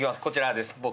こちらです